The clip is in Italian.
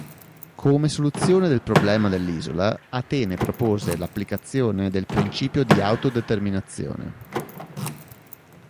Come soluzione del problema dell'isola, Atene propose l'applicazione del principio di autodeterminazione.